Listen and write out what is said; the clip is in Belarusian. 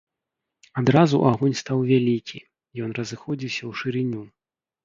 Адразу агонь стаў вялікі, ён разыходзіўся ў шырыню.